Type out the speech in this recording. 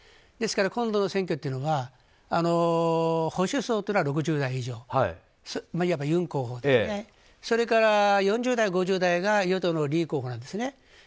ですから今度の選挙は保守層は６０代以上いわばユン候補でそれから４０代５０代が与党のイ候補なんですね。